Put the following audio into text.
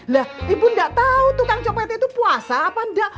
lah ibu gak tau tukang copet itu puasa apa enggak